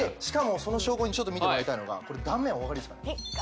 その証拠に見てもらいたいのが断面お分かりですか？